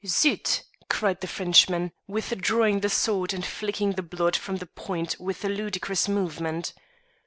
"Zut!" cried the Frenchman, withdrawing the sword and flicking the blood from the point with a ludicrous movement.